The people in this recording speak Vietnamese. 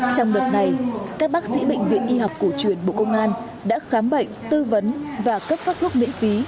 trong đợt này các bác sĩ bệnh viện y học cổ truyền bộ công an đã khám bệnh tư vấn và cấp phát thuốc miễn phí